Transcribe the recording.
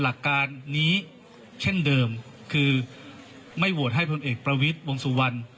หลักการนี้เช่นเดิมคือไม่หวดให้ผู้เยกประวิตวงสูวัน